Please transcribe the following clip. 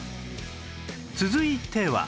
続いては